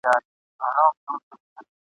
معجزه د اسمانونو له یزدانه تر انسان یم ..